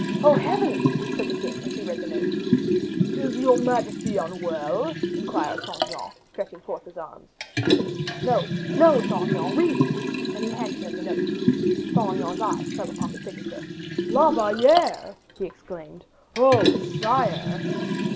"Oh, heavens!" said the king, as he read the note. "Is your majesty unwell?" inquired Saint Aignan, stretching forward his arms. "No, no, Saint Aignan read!" and he handed him the note. Saint Aignan's eyes fell upon the signature. "La Valliere!" he exclaimed. "Oh, sire!"